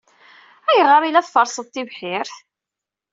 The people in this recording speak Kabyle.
Ayɣer ay la tferrseḍ tibḥirt?